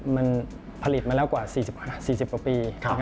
มันผลิตมาแล้วกว่า๔๐กว่าปี